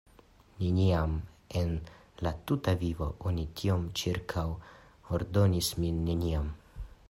"Neniam en la tuta vivo oni tiom ĉirkaŭordonis min, neniam!"